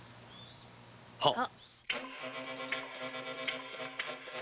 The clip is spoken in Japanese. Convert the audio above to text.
はっ。